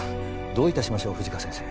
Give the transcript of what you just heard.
どう致しましょう富士川先生。